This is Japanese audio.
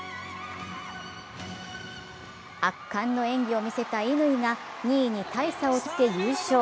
圧巻の演技を見せた乾が２位に大差をつけ優勝。